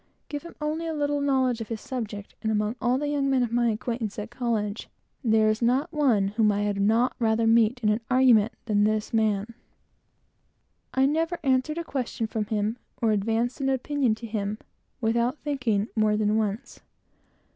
Give him only a little knowledge of his subject, and, certainly among all the young men of my acquaintance and standing at college, there was not one whom I had not rather meet, than this man. I never answered a question from him, or advanced an opinion to him, without thinking more than once.